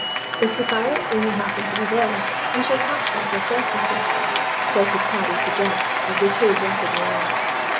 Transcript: "If the pirates only happen to be there, we shall catch them to a certainty," shouted Paddy to Jack, as they pulled rapidly on.